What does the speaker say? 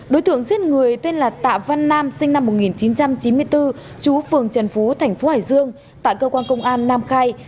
đối tượng giết người tên là tạ văn nam sinh năm một nghìn chín trăm chín mươi bốn chú phường trần phú thành phố hải dương tại cơ quan công an nam khai